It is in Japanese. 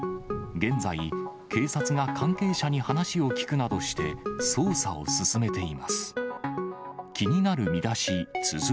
現在、警察が関係者に話を聴くなどして捜査を進めています。